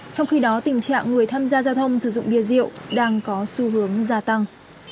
trong khi đó tình trạng người tham gia giao thông sử dụng bia rượu đang có xu hướng gia tăng